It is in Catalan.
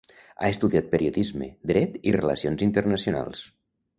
Ha estudiat periodisme, dret i relacions internacionals.